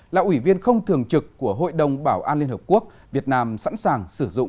là ủy viên không thường trực của hội đồng bảo an liên hợp quốc việt nam sẵn sàng sử dụng